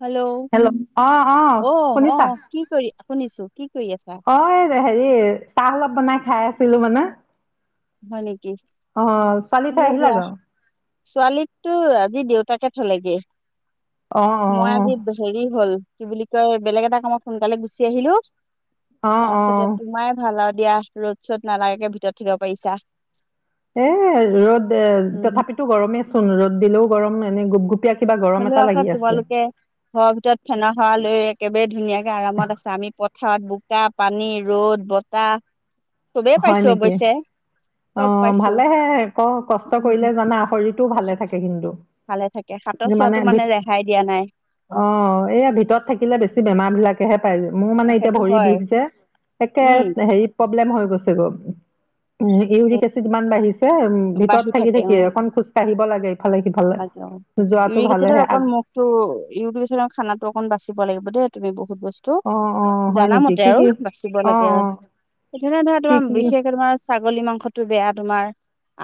Hello hello অ অ শুনিছা আহ কি কৰি শুনিছো কি কৰি আছা? অ হেৰি চাহ অলপ বনাই খাই আছিলো মানে হয় নেকি অ ছোৱালী থৈ ভালে আহিলা দিয়া গ ছোৱালীতো আজি দেউতাকে থলেগে। অ অ মই আজি হেৰি হ'ল কি বুলি কয় বেলেগ এটা কামত সোনকালে গুচি আহিলো। অ অ তাৰপিছতে, তোমাৰে ভাল আৰু [unintelligible] দিয়া ৰ'দ চ'দ নালাগে ভিতৰত থাকিব পাৰিছা। এ ৰ'দ এ উম তথাপিতো গৰমে চোন ৰ'দ দিলেও গৰম এনে গুপ গুপ হলো আক তোমালোকে ঘৰৰ ভিতৰত ফেনৰ সাৱালৈ একেবাৰে ধুনীয়াকে আৰামত আছা। আমি কত পথাৰত বোকা, পানী, ৰ'দ, বতাহ চবেই হয় পাইছো নেকি অৱশ্যে। অ চব পাইছো ভালেহে ক কষ্ট উম উম কৰিলে জানা শৰীৰটোও ভালে থাকে কিন্তু। ভালে থাকে। যিমানে চোৱাটো মানে ভিত ৰেহাই দিয়া নাই অ এইয়া ভিতৰত থাকিলে বেছি বেমাৰ বিলাকেহে পাই যে। মোৰ মানে অ, এতিয়া সেইটো ভৰি হয় বিষ যে একে উম হেৰি প্ৰব্লেম হৈ গৈছে উ এই ইউৰিক এচিড ইমান বাঢ়ি ছে উম ভিতৰত বাঢ়ি থাকি থাকে অ থাকিয়ে অকন খোজকাঢ়িব লাগে ইফালে সিফালে। লাগে অ যোৱাটো ইউৰিক ভালেহে এচিডত আগ অকণ মুখটো ইউৰিক এচড খানাটো অকণ বাচিব লাগিব দেই। তুমি বহুত বস্তু অ', অ', হয় নেকি জানামতে কি আৰু কি বাচিব অ', লাগে আৰু অ', সেইখিনিতে ধৰা কি তোমাৰ কি অ', বিশেষকে তোমাৰ ছাগলী মাংস টো বেয়া তোমাৰ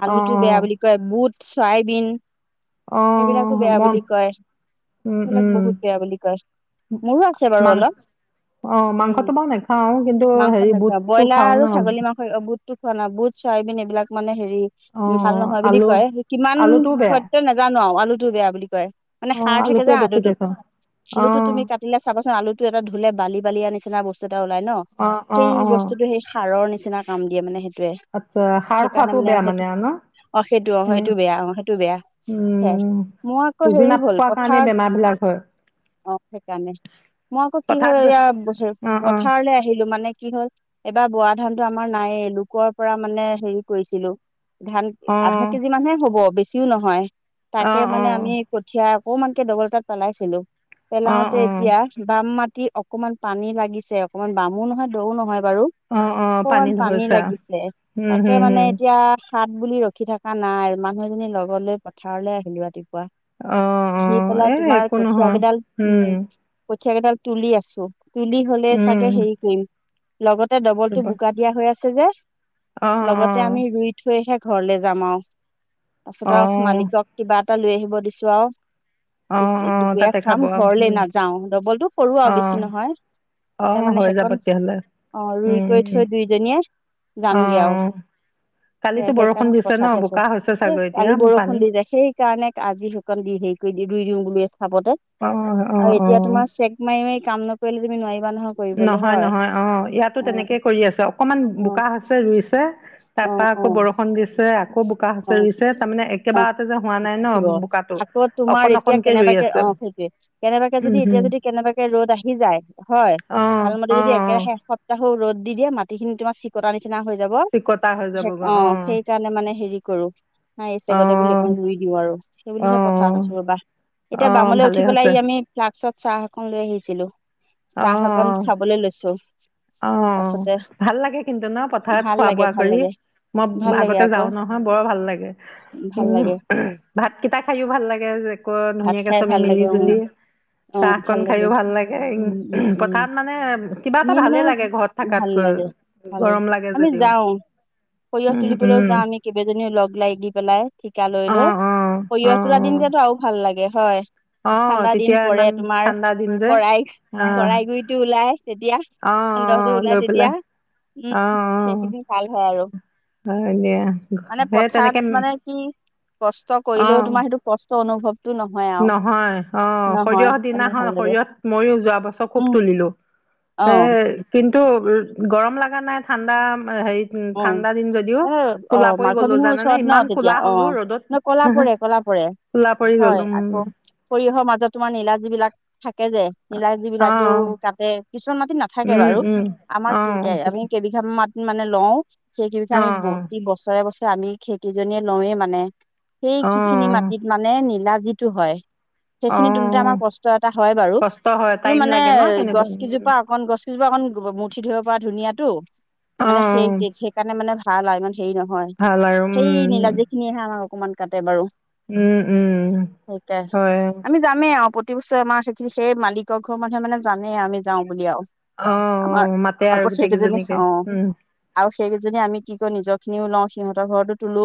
আলুটো বেয়া অ', বুলি কয় বুট, চয়াবিন, এইবিলাকো অ', বেয়া মন বুলি কয়। উম, এইবিলাক উম, বহুত বেয়া বুলি কয়, মোৰো আছে বাৰু মাং অলপ। অ উম মাংসটো বাৰু নাখাওঁ কিন্তু মাংস হেৰি বুটটো খাওঁ ন। বুটটো খোৱা না বুট চয়াইবিন এইবিলাক মানে হে ৰি উ ভাল অ', নহয় বুলি আলু কয় কিমান আলুটোও বেয়া খোৱাটো নাজানো আৰু আলুটো বেয়া বুলি কয়। [unintelligible] মানে অ', সাৰ থাকে যে আলুটোৱে বেছিকে আলুটোত খাওঁ। আলুটো তুমি অ', কাটিলে চাবাচোন আলুটো এটা ধুলে বালি বালিয়া নিচিনা বস্তু এটা ওলাই ন অ', সেই অ', অ', বস্তুতটো সেই সাৰৰ নিচিনা কাম দিয়ে মানে আলুটোৱে, আচ্ছা সাৰ সেইকাৰণে খোৱাটো মানে বেয়া সেইটো আৰু ন? অ সেইটো অ এনে সেইটো বেয়া অ সেইটো বেয়া। সেয়াই উম মই আকৌ বুজি হেৰি হ'ল নাপোৱা কাৰণে পথাৰত বেমাৰ বিলাক হয় অ সেইকাৰণে মই আকৌ কি হল পথাৰত গৈছ এয়া অ অ পথাৰলৈ আহিলো মানে কি হ'ল এইবাৰ বৰা ধানটো আমাৰ নাইয়েই লোকৰ পৰা মানে হেৰি কৰিছিলো ধান আধা কেজি মানহে হ'ব বেছিও নহয় অ তাকে অ অ মানে আমি কঠিয়া অকমানকে দগল এতাত পেলাইছিলো অ পেলাওতে অ এতিয়া বাম মা টি অকনমান পানী লাগিছে অকনমান বামো নহয় দৌ নহয় বাৰু অ অ অকমান পানী ধৰিছা লাগিছে উম তাকে হম মানে হম এতিয়া হাত বুলি ৰখি থকা নাই মানুহ এজনী লগত লৈ পথাৰলৈ আহিলো ৰাতি পুৱা, অ অ আহি পেলাই এ তোমাৰ একো কঠিয়া নহয় কেইডাল উম কঠীয়া কেইডাল তুলি আছো তুলি হ'লে উম চাগে হেৰি কৰিম। লগতে ডবলটো ৰবা। বোকা দিয়া হৈ আছে যে অ অ লগতে আমি ৰুই থৈ হে ঘৰলে যাম আৰু তাৰপিছত অ আৰু মালিকক কিবা এটা লৈ আহিব দিছো আৰু। অ অ দুপৰীয়া তাতে খাম খাব ঘৰলে উম নাযাও ডবলটো সৰু আৰু অ বেছি নহয় অ মানে হৈ যাব সেইখন তেতিয়াহ'লে অ ৰুই উম কৰি উম উম থৈ দুইজনীয়ে অ যামগে আৰু। সে কালিতো বৰষুণ সেইকাৰণে দিছে ন পথাৰত আছোঁ। বোকা হৈছে এ চাগৈ এতিয়া কালি বৰষুণ পানী দিলে সেইকাৰণে আজি সেইকন দি সেই কৰি ৰুই দিওঁ বুলি চাপতে অ অ আৰু এতিয়া অ তোমাৰ চেক মাৰি মাৰি কাম নকৰিলে তুমি নোৱাৰিবা নহয়। কৰিবলৈ নহয় হয় নহয় অ ইয়াতো অ তেনেকেই কৰি আছে অকমান অ বোকা আছে ৰুইছে। তাৰপা অ', আকৌ অ', বৰষুণ দিছে আ আকৌ বোকা হৈছে অ', ৰুইছে তাৰমানে অ', একেবাৰতে যে হোৱা নাই ন দিব বোকাটো আকৌ তোমাৰ অকন এতিয়া অকনকে ৰুই কেনেবাকে আছে। [unintelligible] অ', সেইটোৱে কেনেবাকে যদি উম এতিয়া হম যদি কেনেবাকে ৰ'দ আহি যায় হয়। অ ভাল মতে অ অ যদি একেৰাহে একসপ্তাহো ৰ'দ দি দিয়ে মাটিখিনি তোমাৰ চিকতাৰ নিচিনা [unintelligible] নিচিনা হৈ যাব। চিকতা হৈ যাবগৈ অ অঁ সেই স কাৰণে মানে হেৰি কৰো ন অ এইছেগতে বোলো অকণ ৰুই দিওঁ আৰু অ সেইবুলিহে পথাৰত আছো ৰ'বা। [unintelligible] অ এতিয়া বামলে উঠি ভালেই পেলাই হৈছে ই আমি ফ্লাক্সত চাহ অকণ লৈ আহিছিলো। অ চাহঅকণ অ খাবলৈ লৈছোঁ। অ, ভাল লাগে কিন্তু ন পথাৰত ভাল খোৱা লাগে বোৱা ভাল কৰি লাগে মই। ভাল লাগে আগতে আকৌ যাও নহয়, বৰ ভাল লাগে। ভাল উম, লাগে ভাতকেইটা খাইও ভাল লাগে যে আকৌ ভাত ধুনীয়াকে খাই ছবে ভাল লাগে অ', মিলি-জুলি অ', চাহকন লাগে খাইও ভাল লাগে। উম, উম, উম। পথাৰত মানে কিবা এটা এনেই মানে ভালে লাগে ঘৰত ভাল লাগে থকাতকৈ ভাল গৰম লাগে আমি যদিও। যাওঁ সৰিয়হ উম তুলিবলৈও উম যাওঁ আমি কেইবাজনীও লগ লাগি পেলাই। ঠিকা অ লৈ-লৈ অ অ সৰিয়হ তোলাৰ অ দিনকেইটাতো আৰু [unintelligible] ভাল লাগে হয়, অ ঠাণ্ডা তেতিয়া দিন ইমান পৰে তোমাৰ ঠাণ্ডা দিন যে পৰাই অ কৰাই গুৰিতো ওলাই তেতিয়া অ অ সানদহটো ওলাই লৈ তেতিয়া। পেলাই [unintelligible] অ অ উম, সেইখিনি ভাল হয় আৰু। হয় দিয়া মানে সেই পথাত তেনেকে মানে কি? কষ্ট কৰিলেও অ তোমাৰ সেইটো কষ্ট অনুভৱ নহয়। অ, সৰিয়হৰ সেইকাৰণে ভাল দিনাখন লাগে সৰিয়হত ময়ো যোৱা বছৰ খুব তুলিলো। আহ। তাটো গৰম লাগা নাই ঠাণ্ডা [unintelligible] হেৰি অ ঠাণ্ডা দিন যদিও এ অ কলা পৰি মাঘৰ গ'লো বিহুৰ জানানে ইমান কলা হ'লো ৰ'দত। ৰে কলা পৰে। [unintelligible] কলা পৰি হয় গ'লো মোৰ। [unintelligible] আকৌ সৰিয়হৰ মাজত তোমাৰ নীলা যিবিলাক থাকে যে নীলাজী অ বিলাকেও কাটে। [unintelligible] কিছুমান মাটিত নাথাকে উম বাৰু, উম আমাৰ অ কি কে আমি কেইবিঘা মাটিত মানে লওঁ। [unintelligible] সেইকেই বিঘা অ আমি প্ৰতি অ বছৰে বছৰে আমি কেইজনীয়ে লৱেই মানে। [unintelligible] সেই অ সিখিনি মাটিত মানে নীলা যিটো হয়। [unintelligible] অ সেইখিনি তোলোতে আমাৰ কষ্ট এটা হয় বাৰু। কষ্ট হয় কিন্তু টাইম মানে লাগে এ ন তেনেকুৱা গছ উম, কেইজোপা অকণ গছ কেইজোপা জোপা অকণ মঠি ধৰিব পৰা ধুনীয়া [unintelligible] টো অ মানে সেই কাৰণে মানে ভাল আৰু ইমান হেৰি নহয়। ভাল আৰু উম সেই নীলাজীখিনিহে আমাক অকনমান কাটে বাৰু। উম উম [unintelligible] থিকে হয় আমি যামেই আৰু। [unintelligible] অ, পিছে আমাৰ সেইখিনি সেই মালিকক ঘৰ মানুহে জানে আমি যাও বুলি আৰু। [unintelligible] অ, অ, আমাৰ মাতে আৰু গোটেই কেইজনীকে, উম। সেইজনী আমি কি ক নিজৰ খিনিও লওঁ সিহঁতৰ ঘৰতো তোলো।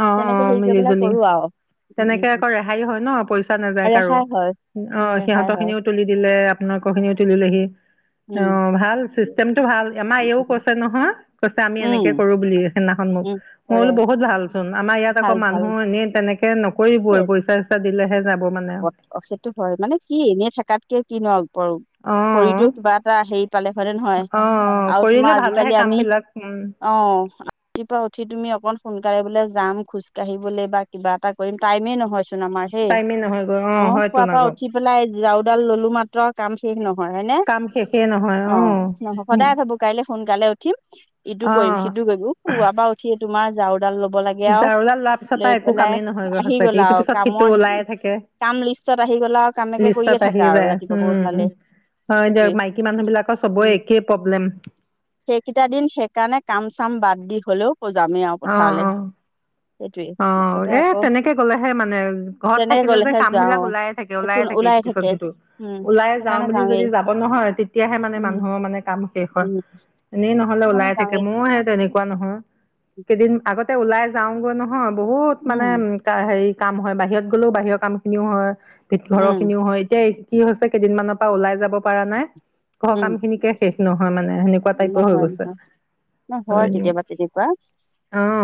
অ অ তেনেকে সেই কৰিব মিলি বিলাক জুলি কৰো আৰু। [unintelligible] তেনেকে উম আকৌ ৰেহাইও হয় ন? পইচা নাযায় উম কাৰো। ৰেহাই হয় অ, উম ৰেহাই সিহঁতৰ হয় খিনিও তুলি দিলে আপোনালোক খিনিও তুলিলেহি। অ, উম ভাল। চিষ্টেমটো ভাল। আমাৰ এইও উম কৈছে নহয় কৈছে আমি এনেকে উম কৰো বুলি। সেইদিনাখন মোক। উম মই কৰে বোলো বহুত ভাল চোন। আমাৰ ইয়াত আকৌ ভাল মানুহ ভাল এনে তেনেকে ন কৰিবই সেই পইচা-চইচা দিলেহে যাব। মানে অ সেইটো হয় মানে সি এনেই থেকাতকে কিনো কৰঝ শৰিটো কিবা এটা হেৰি পালে হয়নে নহয়? অ আৰু তোমাৰ কৰিলে ভালেহে আজিকালি কাম আমি [unintelligible] বিলাক উম অহ, ৰাতিপুৱা উঠি উঠি তুমি অকন সোনকালে বলে যাম। খোজ কাঢ়িবলৈ বা কিবা এটা কৰিম টাইমে নহয় চোন মাৰ হেই টাইমে নহয়গৈ অ ‌হুম হোৱা হয়তোন পৰা আকৌ উঠি পেলাই জাওডাল ললো মাত্ৰ কাম শেষ নহয়। হয় হয়নে? কাম শেষেই নহয় অ, ন সদায় ভাবো কাইলৈ সোনকালে উঠি ইটো কৰিম, অ সিটো কৰিম খুৱ শুৱা পৰা উঠি তোমাৰ জাৰু ডাল ল'ব লাগে আৰু, জাৰুডাল লোৱাৰ পিছত লৈ তাৰ একো পেলাই কামেই নহয়গৈ আহি সঁচাকে গ'ল ইটোৰ আৰু পিছত সিটো কামৰ হেৰি। ওলায়ে থাকে কাম লিষ্টত আহি গল আ আৰু কামেকে কৰিয়ে লিষ্টত আহি থাকা আৰু যায় ৰাতিপুৱা উম গধূলি। হয় দিয়ক মাইকী মানুহ বিলাকৰ চবৰে একেই প্ৰব্লেম। সেইকেইটা দিন সেইকাৰণে কাম চাম বাদ দি হ'লেও যামেই আৰু অ অ পথাৰলৈ। অ, এ তেনেকে গলেহে মানে ঘৰত তেনেকে থাকিলে যে গ'লেহে কাম যোৱা বিলাক অ ওলাইে থাকে, একো ওলাইে থাকে ওলাই এইটো পিছত সিটো। উম ওলাই যাও সেইকাৰণে বুলি যদি যাওঁৱেই যাব নহয় তেতিয়াহে মানে উম মানুহৰ মানে কাম শেষ হয়। উম এনেই নহলে সেইকাৰণে ওলাই থাকে যাওঁৱেই ময়ো সে এনেকুৱা নহয়, কেইদিন আগত আগতে ওলাই যাওঁগৈ নহয় বহুত মানে উম হেৰি কাম হয় বাহিৰত গ'লেও বাহিৰৰ কাম খিনিও হয় ঘৰৰ উম খিনিও হয়। এতিয়া কি হৈছে কেইদিনমানানৰ পৰা ওলাই যাব পৰা নাই ঘৰৰ উম কাম খিনিকে শেষ। নহয় মানে সেনেকুৱা টাইপৰ হৈ নহয় গৈছে নহয় হয় কেতিয়াবা তেনেকুৱা।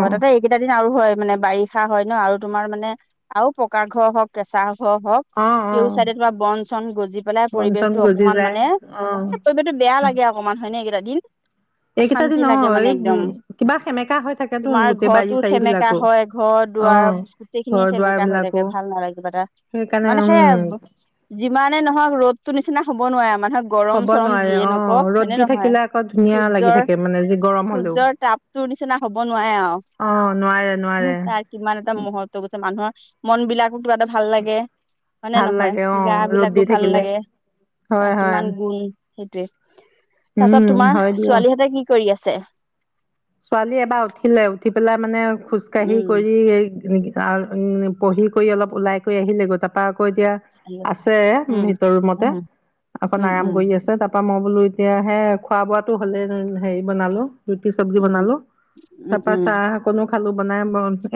অ তাতে এইকেইটা দিন আৰু হয়। মানে বাৰিষা হয় ন আৰু তোমাৰ মানে আৰু পকা ঘৰ হওক কেঁচা হ। ঘৰ হওক অ অ কেউ চাইডত বা বন চন গজি পেলাই বন চন পৰিৱেশটো গজি অকমান যায় মানে। অ এ [unintelligible] বেয়া লাগে অকমান হয়নে এইকেইটা দিন। এইকেইটা অশান্তি দিন অ লাগে মানে এই একদম উম কিবা সেমেকা হৈ থাকেতোন তোমাৰ গোটেই বাৰী ঘৰতো চাৰী সেমেকা বিলাকো হয় ঘ অ দুৱাৰ গোটেই ঘৰ খিনিয়ে দুৱাৰ সেমেকা হৈ বিলাকো থাকে ভাল নালাগিবা এটা। সেইকাৰণে মানে উম। সেয়া যিমানে নহওক ৰ'দতো নিচিনা হ'ব নোৱাৰে মানুহক গৰম হ'ব চৰম নোৱাৰে যিয়ে অ নকওক ৰ'দ দি হয়নে নহয়। থাকিলে আকৌ ধুনীয়া লাগি সূৰ্য্যৰ থাকে মানে যি গৰম হলেও সূৰ্য্যৰ তাপটোৰ নিচিনা হব নোৱাৰে আৰু। অ নোৱাৰে উ নোৱাৰে তাৰ কিমান এটা মুহৰ্ত গছে মানুহৰ মন বিলাক কিবা এটা ভাল লাগে হয়নে ভাল লাগে অ নহয় গা ৰ'দ দি বিলাকো ভাল থাকিলে লাগে। হয় ত হয় কিমান গুণ সেইটোৱে। তাৰপাছত উম তোমাৰ হয় দিয়ক ছোৱালীহঁতে কি কৰি আছে। ছোৱালী এবাৰ উঠিলে উঠি পেলাই মানে খোজকাাঢ়ি উম কৰি ত উম পঢ়ি কৰি অলপ ওলাই কৰি আহিলে গৈ তাৰাপা আকৌ এতিয়া আছে উম ভিতৰ ৰুমতে অকন উম আৰাম উম কৰি আছে তাৰাপা মই বোলো এতিয়া হে খোৱা বোৱাতো হ'লে হেৰি বনালো চবজি উম বনালো উম উম উম তাৰপা উম চাহ অকনো খালো বনাই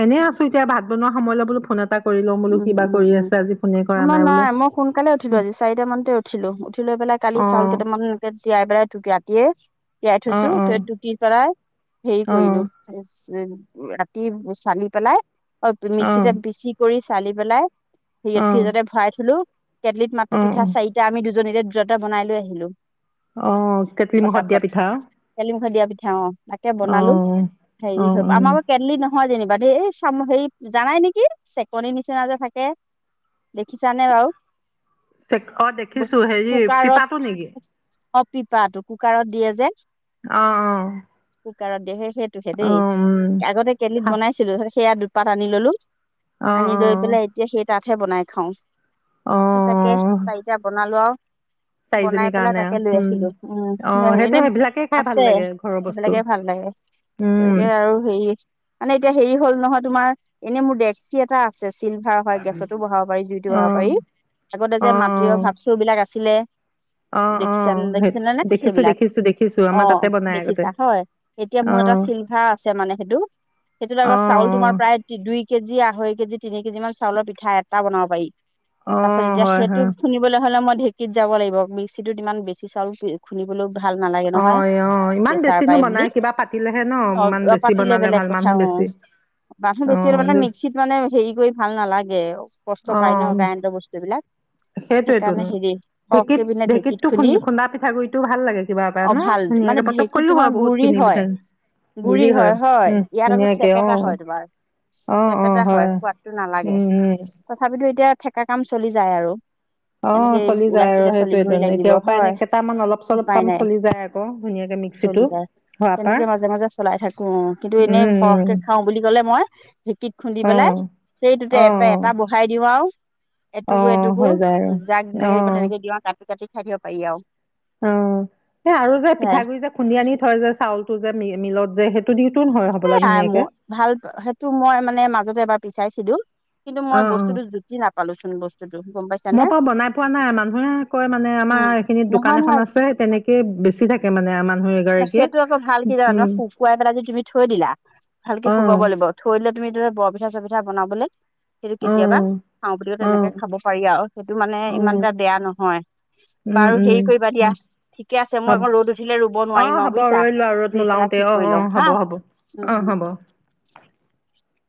এনেই আছো এতিয়া ভাত বনোৱা সময় ল বোলো ফোন এটা কৰি লওঁ বোলো কিবা কৰি আছে আজি ফোনে কৰা কোনো বোলো নাই মই সোনকালে উঠিলো আজি চাৰিটা মানতে উঠিলো উঠি লৈ পেলাই কালি অ চাউল কেইটামান তিয়াই পেলাই ৰাতিয়ে তিয়াই অ থৈছো অ টুতি পেলাই হেৰি অ কৰিলো উ ৰাতি চালি পেলাই অ মিক্সিতে পিচি কৰি চালি পেলাই অ সত ফ্ৰিজতে ভৰাই থলো কেটলিত মাত্ৰ অ পিঠা চাৰিটা আমি দু দুজনীৰে দুটা দুটা বনাই লৈ আহিলো। অ কেটলি মুখত দিয়া ফটাফট পিঠা। কেলিমুখত দিয়া পিঠা অ তাকে অ বনালো হেৰি অ হৈ অ আমাৰ কেটলি নহয় হয় যেনিবা দেই এই চামু হেৰি জানাই নেকি চেকনিৰ নিচিনা যে থাকে। দেখিছানে বাৰু অ দেখিছো হেৰি কুকাৰত। পিপাটো নেকি অ পিপাটো কুকাৰত দিয়ে যে। অ অ কুকাৰত দিয়ে সেইটটোহে অ দেই উম আগতে কেটলিত ভা- বনাইছিলো সেয়া দুপাত আনি ললো। অ আনি অ লৈ পেলাই এতিয়া সেই তাতহে বনাই খাও সেই তাকে চাৰিটা বনালো আৰু। উ। বনাই পেলাই তাকে লৈ আছিলো উম অ হেৰি সেইটো এনে সেইবিলাকেই খাই ভাল আছে লাগে ঘৰৰ বস্তু সেইবিলাকে ভাল লাগে। উম তাকে আৰু হেৰি মানে এতিয়া হেৰি হ'ল নহয় তোমাৰ এনেই মোৰ ডেকচি এটা আছে। ফিল্ফাৰ হয় গেছতো বহাব পাৰি জুইতো বহাব পাৰি অ আগতে অ যে মাটিৰৰ ভাপ চৌবিলাক আছিলে। অ অ অ দেখিছা সেই দেখিছেনে নে দেখিছো সেইবিলাক দেখিছো দেখিছো অ আমাৰ তাতে বনাই আগতে দেখিছা হয় এতিয়া। অ মোৰ এটা চিলভা আছে মানে সেইটো সেইটোত অ আকৌ চাউল তোমাৰ প্ৰায় অ দুই। কেজি আঢ়ৈ কেজি তিনি কেজি মান চাউলৰ পিঠা এটা বনাব পাৰি। অ তাৰপাছত এতিয়া হয় সেইটো হয় শুনিবলৈ হলে মই। ঢেঁকীত যাব লাগিব মিক্সিটোত ইমান বেছি চাউল খুলিবলৈ। ভাল নালাগে অ নহয় এই অ ইমান বিেচাৰ বেছিনো পাই বুলি বনাই কিবা পাতিলেহে ন অ ইমান অ বেছি পাতিলে বনালে বেলেগ ভাল কথা মানুহ অ। বেছি মানুহৰ অ বেছি হলে মে। দু ম্সিত মানে হেৰি কৰি ভাল নালাগে কষ্ট পায় ন কাৰেণ্টৰ বস্তুবিলাক। হয় [unintelligible] সেইটোয়টো ঢেঁকী পিনে ঢেঁকীত ঢেকীতোু খুন্দি খুন্দা পিঠাগুৰিটো ভাল লাগে কিবা পৰা অ ন ভাল মানে ধুনীয়াকে। ঢেঁকীত পতককৈও তোমাৰ হয় বহুত গুৰি খিনি হয় বিধৰ। গুৰি হয় উম ধুনীয়াকে অ অ। কেহেটা হয় সোৱাদটো নালাগে উম উম তথাপিতো এতিয়া ঠেকা কাম চলি যায় আৰু। অ তেনেকে চলি যায় ওলাইছে আৰু এতিয়া চলিবই সেইটোৱেটো লাগিব এতিয়া উপায় নে হয় কেইটামান অলপ চলপ উপায় কাম নাই চলি যায় আকৌ ধুনীয়া। চলি মিক্সিটো। যায় হোৱাৰ পৰা তেনেকে মাজে মাজে চলাই থাকো অ কিন্তু এনেই উম সৰহকে খাওঁ বুলি কলে মই। ঢেঁকীত খুন্দি পেলাই উম সেইটোতে অ অ এটা এটা বহাই দিওঁ আৰু। অ অ এটুকু এটুকু হৈ যায় আৰু যাক অ যেনেকে দিব তেনেকে দি আৰু কাটি কাটি খাই দিব পাৰি আৰু। অ সে আৰু যে পিঠাগুৰি যে খুন্দি আনি থয় যে চাউলটো যে মিলত যে সেইটো দি। খাই মই ভাল সেইটো মই মানে মাজতে এবাৰ বিছাৰিছিলো। কিন্তু অ মই অ বস্তুটো জুতি নাপালোচোন বস্তুটো গম পাইছানে। মই বাৰু বনাই পোৱা নাই মানুহে কয় মানে উম আমাৰ এইখিনিত দোকান নহয় নহয় এখন আছে তেনেকে বেছি থাকে মানে। এগৰাকীয়ে সেইটো আকৌ ভাল কি হয় উম শুকুৱাই পেলাইদি তুমি থৈ দিলা ভালকে অ শুকুৱাব লাগিব থৈ লয়। তুমি এইৰে বৰ পিঠা চৰ পিঠা বনাবলৈ। সেইটো কেতিয়াবা খাওঁ বুলি কও অ তেনেকে খাব পাৰি আৰু সেইটো মানে অ ইমান অ এটা বেয়া নহয়। উম বাৰু উম হেৰি কৰিবা দিয়া অ, ঠিকে আছে মই হ'ব আকৌ ৰ'দ উঠিলে ৰুব। অ নোৱাৰিম আৰু হ'ব বুজিছা ৰুই লোৱা ৰ'দ ৰুই পেলাই নোলাওঁতেই ঠিক অ কৰি অ লওঁ হা হ'ব হ'ব উম অ উম হ'ব। [unintelligible]